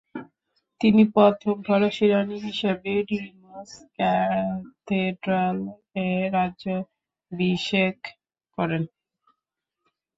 তিনি প্রথম ফরাসি রাণি হিসেবে রিমস ক্যাথেড্রাল এ রাজ্যাভিষেক করেন।